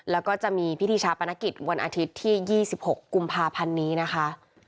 แล้วก็จะมีพิธีชาปนกิจวันอาทิตย์ที่๒๖กุมภาพันธ์นี้นะคะ